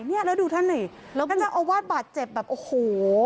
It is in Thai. เนี่ยแล้วดูท่านนี่แล้วก็เจ้าอาวาสบาดเจ็บแบบโอ้โห